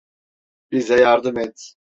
Bize yardım et.